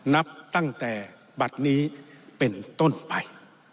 นับตั้งแต่บัตรนี้เป็นต้นไป